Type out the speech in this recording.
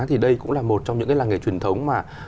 thì đây cũng là một trong những làng nghề truyền thống